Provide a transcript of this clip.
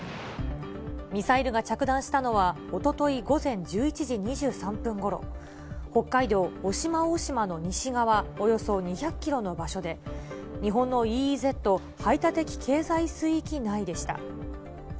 ミサイルが着弾したのは、おととい午前１１時２３分ごろ、北海道渡島大島の西側およそ２００キロの場所で、日本のＥＥＺ・排他的経済水域内でした。